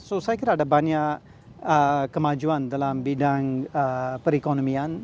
jadi saya kira ada banyak kemajuan dalam bidang perekonomian